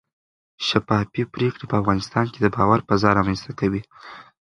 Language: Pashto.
شفافې پرېکړې په افغانستان کې د باور فضا رامنځته کوي